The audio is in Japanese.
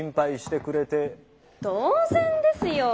当然ですよォ。